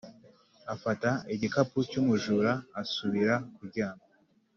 afata igikapu cy'umujura asubira kuryama.